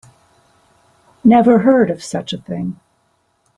Never heard of such a thing.